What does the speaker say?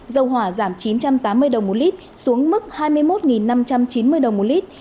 dầu hỏa giảm chín trăm tám mươi đồng một lít xuống mức hai mươi một năm trăm chín mươi đồng một lít